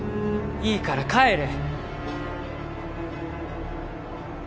いいから帰れ！